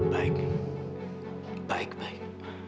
baik baik baik